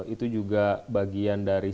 itu juga bagian dari